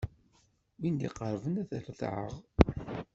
Win d-iqerrben ad t-retɛeɣ.